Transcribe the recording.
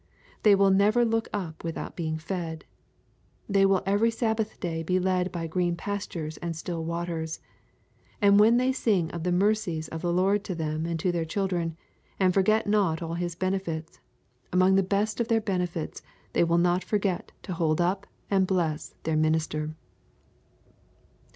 They will never look up without being fed. They will every Sabbath day be led by green pastures and still waters. And when they sing of the mercies of the Lord to them and to their children, and forget not all His benefits, among the best of their benefits they will not forget to hold up and bless their minister.